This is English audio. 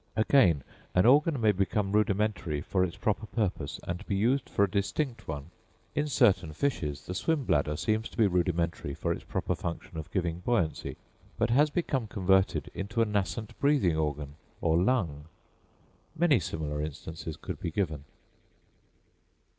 Again, an organ may become rudimentary for its proper purpose, and be used for a distinct one: in certain fishes the swim bladder seems to be rudimentary for its proper function of giving buoyancy, but has become converted into a nascent breathing organ or lung. Many similar instances could be given.